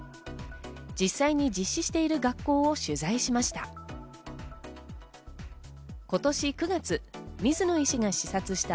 実際に実施している学校を取材しました。